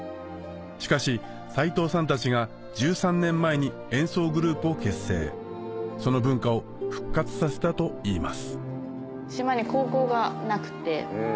しかし齊藤さんたちが１３年前に演奏グループを結成その文化を復活させたといいます